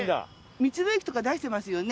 道の駅とか出してますよね